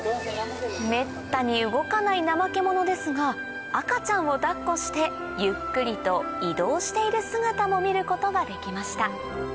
めったに動かないナマケモノですが赤ちゃんを抱っこしてゆっくりと移動している姿も見ることができました